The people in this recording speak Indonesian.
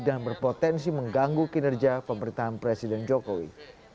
dan berpotensi mengganggu kinerja pemerintahan presiden jokowi